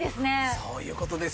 そういう事です。